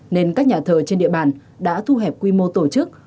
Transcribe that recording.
nên các nhà thờ trên địa bàn đã thu hẹp quy mô tổ chức